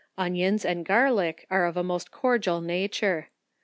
Onions and garlick arc of a most cordial nature.